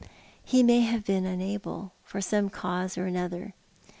He may have beeu iiuable — for some cause or other."